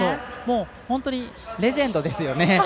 本当にレジェンドですよね。